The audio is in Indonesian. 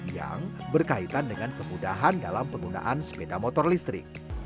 yang berkaitan dengan kemudahan dalam penggunaan sepeda motor listrik